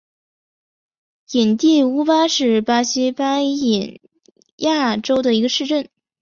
伊蒂乌巴是巴西巴伊亚州的一个市镇。